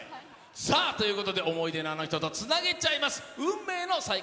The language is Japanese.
さあ、ということで想い出のあの人とつなげちゃいます、運命の再会